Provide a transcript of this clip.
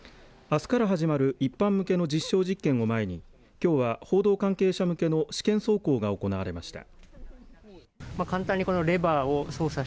あすから始まる一般向けの実証実験を前にきょうは報道関係者向けの試験走行が行われました。